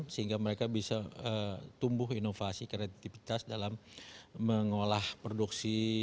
sehingga mereka bisa tumbuh inovasi kreativitas dalam mengolah produksi